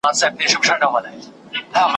په ځنگله کی به آزاد یې د خپل سر یې ,